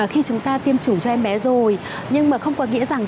khi chúng ta tiêm chủng cho em bé rồi nhưng mà không có nghĩa rằng